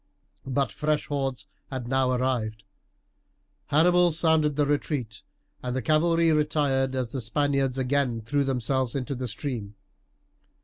But fresh hordes had now arrived; Hannibal sounded the retreat, and the cavalry retired as the Spaniards again threw themselves into the stream.